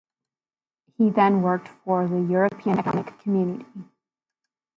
He then worked for the European Economic Community.